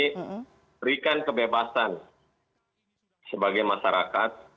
kita harus memberikan kebebasan sebagai masyarakat